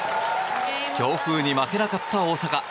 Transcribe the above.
強風に負けなかった大坂。